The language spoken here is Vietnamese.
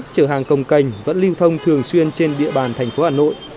chở hàng công cành vẫn lưu thông thường xuyên trên địa bàn tp hà nội